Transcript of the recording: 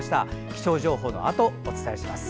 気象情報のあとお伝えします。